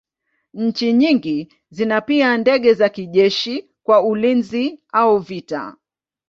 Nchi nyingi zina pia ndege za kijeshi kwa ulinzi au vita.